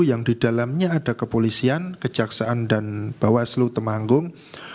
yang didalamnya ada kepolisian kejaksaan dan bawah seluruh temanggung